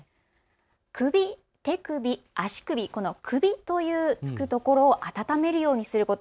首、手首、足首、首がつくというところを温めるようにすること。